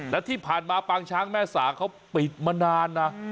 และที่ผ่านมาปางช้างแม่สาเขาปิดมานานนะ